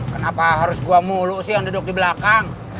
kenapa harus gua mulu sih yang duduk di belakang